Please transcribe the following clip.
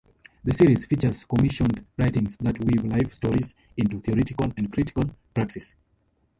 The series features commissioned writings that weave life stories into theoretical and critical praxis.